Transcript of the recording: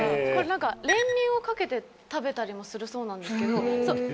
をかけて食べたりもするそうなんですけど。